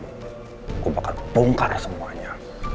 gue bakal pungkar semuanya